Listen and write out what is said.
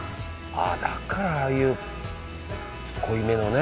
ああだからああいうちょっと濃いめのね